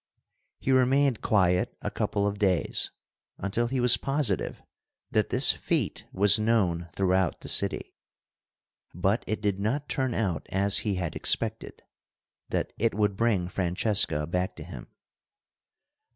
He remained quiet a couple of days, until he was positive that this feat was known throughout the city. But it did not turn out as he had expected—that it would bring Francesca back to him.